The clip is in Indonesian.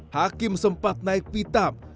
hakim sempat naik pitam